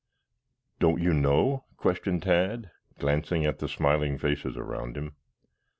"Don't you know?" questioned Tad, glancing at the smiling faces around him.